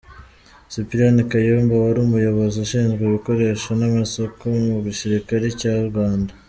Cyprien Kayumba wari Umuyobozi ushinzwe ibikoresho n’amasoko mu gisirikare cy’u Rwanda.